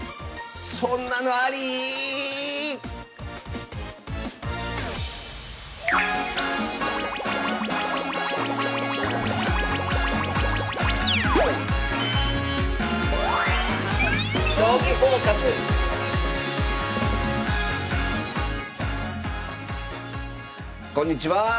そんなのアリ⁉こんにちは！